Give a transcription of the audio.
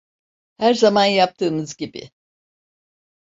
Her zaman yaptığımız gibi.